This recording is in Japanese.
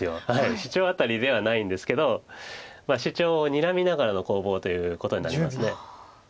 シチョウアタリではないんですけどシチョウをにらみながらの攻防ということになります。